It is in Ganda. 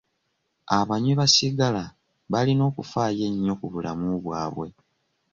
Abanywi ba sigala balina okufaayo ennyo ku bulamu bwabwe.